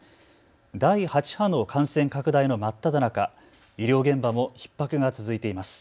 第８波の感染拡大の真っただ中、医療現場もひっ迫が続いています。